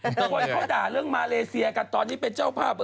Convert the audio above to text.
คนเขาด่าเรื่องมาเลเซียกันตอนนี้เป็นเจ้าภาพ